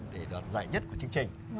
để đoạt giải nhất của chương trình